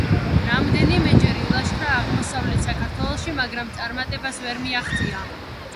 რამდენიმეჯერ ილაშქრა აღმოსავლეთ საქართველოში, მაგრამ წარმატებას ვერ მიაღწია.